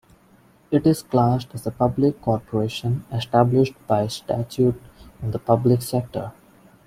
It is classed as a public corporation, established by statute, in the public sector.